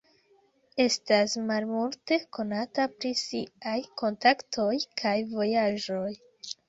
Estas malmulte konata pri siaj kontaktoj kaj vojaĝoj.